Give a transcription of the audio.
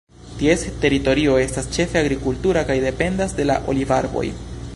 Ties teritorio estas ĉefe agrikultura kaj dependa de la olivarboj.